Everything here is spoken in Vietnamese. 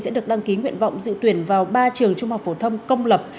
sẽ được đăng ký nguyện vọng dự tuyển vào ba trường trung học phổ thông công lập